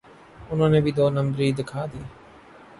انہوں نے بھی دو نمبری دکھا دی۔